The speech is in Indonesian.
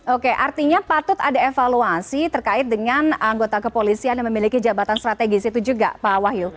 oke artinya patut ada evaluasi terkait dengan anggota kepolisian yang memiliki jabatan strategis itu juga pak wahyu